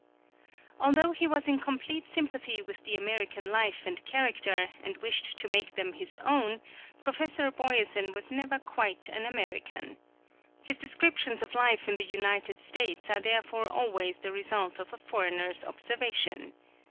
Although he was in complete sympathy with the American life and character and wished to make them his own, Professor Boyesen was never quite an American. His descriptions of life in the United States are therefore always the result of a foreigner's observation.